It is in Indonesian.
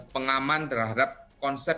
pengaman terhadap konsep